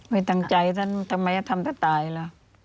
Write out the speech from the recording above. ไม่ตั้งใจทำไมทำตายล่ะ